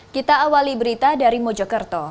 kita awali berita dari mojokerto